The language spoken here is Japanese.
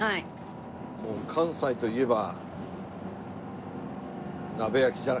もう関西といえば。